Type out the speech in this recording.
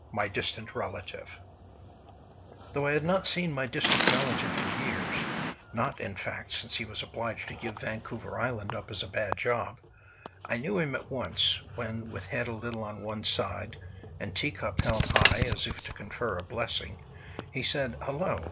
MY DISTANT RELATIVE Though I had not seen my distant relative for years—not, in fact, since he was obliged to give Vancouver Island up as a bad job—I knew him at once, when, with head a little on one side, and tea cup held high, as if, to confer a blessing, he said: "Hallo!"